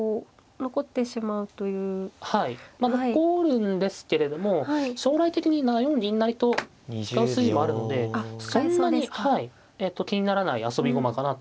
はいまあ残るんですけれども将来的に７四銀成と使う筋もあるのでそんなに気にならない遊び駒かなと。